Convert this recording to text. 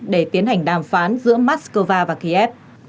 để tiến hành đàm phán giữa moscow và kiev